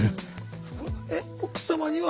えっ奥様には？